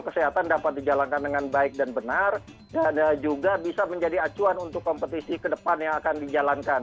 kesehatan dapat dijalankan dengan baik dan benar dan juga bisa menjadi acuan untuk kompetisi ke depan yang akan dijalankan